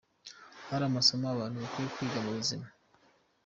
Hari amasomo abantu bakwiye kwiga mu buzima.